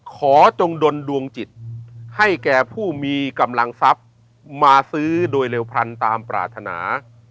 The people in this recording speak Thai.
จงดนดวงจิตให้แก่ผู้มีกำลังทรัพย์มาซื้อโดยเร็วพรรณตามปรารถนา